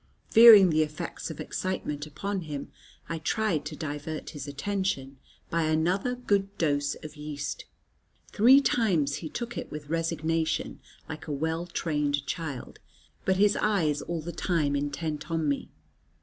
Fearing the effects of excitement upon him, I tried to divert his attention by another good dose of yeast. Three times he took it with resignation like a well trained child, but his eyes all the time intent on me.